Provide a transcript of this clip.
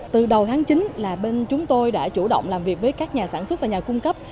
từ đầu tháng chín là bên chúng tôi đã chủ động làm việc với các nhà sản xuất và nhà cung cấp